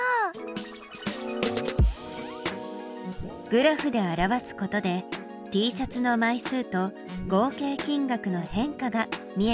グラフで表すことでＴシャツの枚数と合計金額の変化が見えてきたね。